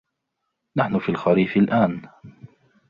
نحن في الخريف الآن.